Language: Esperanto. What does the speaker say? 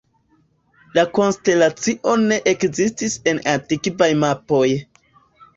La konstelacio ne ekzistis en antikvaj mapoj.